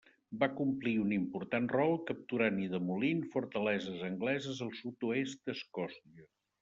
Va complir un important rol capturant i demolint fortaleses angleses al sud-oest d'Escòcia.